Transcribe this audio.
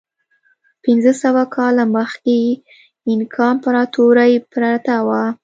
پنځه سوه کاله مخکې اینکا امپراتورۍ پرته وه.